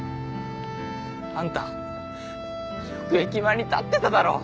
あんたよく駅前に立ってただろ？